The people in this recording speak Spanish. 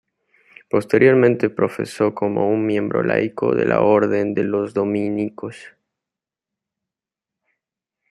Posteriormente profesó como miembro laico de la Orden de los dominicos.